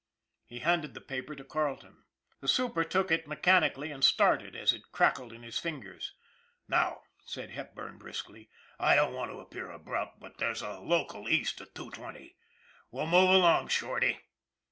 He handed the paper to Carleton. The super took it mechanically, and started as it crackled in his fingers. " Now," said Hepburn briskly, " I don't want to appear abrupt, but there's a local East at two twenty. We'll move along, Shorty.